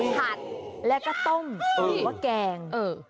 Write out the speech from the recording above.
ผัดแล้วก็ต้มหรือว่าแกง